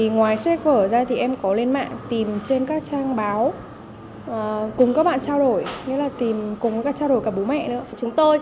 ngoài sách vở ra thì em có lên mạng tìm trên các trang báo cùng các bạn trao đổi tìm cùng các bạn trao đổi cả bố mẹ nữa